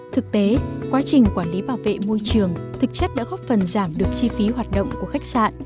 thực tế quá trình quản lý bảo vệ môi trường thực chất đã góp phần giảm được chi phí hoạt động của khách sạn